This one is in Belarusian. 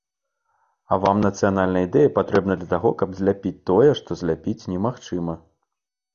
А вам нацыянальная ідэя патрэбная для таго, каб зляпіць тое, што зляпіць немагчыма.